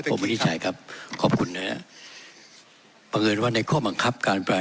ผมไม่ได้ใช้ครับขอบคุณนะฮะบังเงินว่าในข้อบังคับการอภิปราย